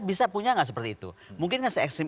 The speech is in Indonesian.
bisa punya gak seperti itu mungkin gak se ekstrim